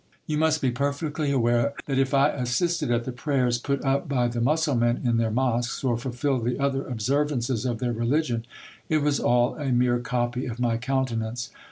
You must be perfectly aware, that if I assisted at the prayers put up by the Mussulmen in their mosques, or fulfilled the other observances of their religion, it was all a mere copy of my countenance.